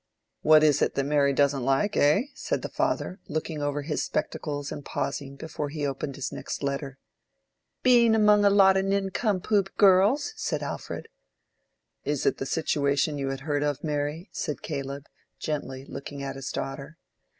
"What is that Mary doesn't like, eh?" said the father, looking over his spectacles and pausing before he opened his next letter. "Being among a lot of nincompoop girls," said Alfred. "Is it the situation you had heard of, Mary?" said Caleb, gently, looking at his daughter.